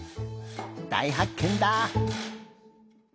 だいはっけんだ！